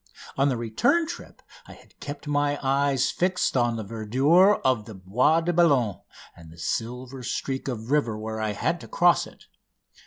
On the return trip I had kept my eyes fixed on the verdure of the Bois de Boulogne and the silver streak of river where I had to cross it.